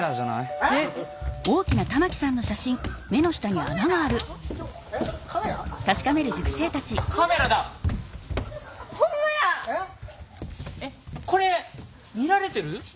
えっこれ見られてる？